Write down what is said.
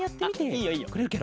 いいよいいよ。